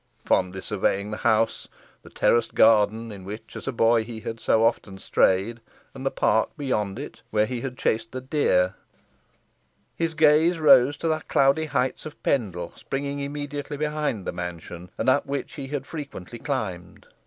Fondly surveying the house, the terraced garden, in which, as a boy, he had so often strayed, and the park beyond it, where he had chased the deer; his gaze rose to the cloudy heights of Pendle, springing immediately behind the mansion, and up which he had frequently climbed.